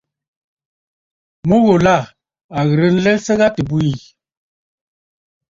Mu ghùlà à ghɨ̀rə nlɛsə gha tɨ bwiì.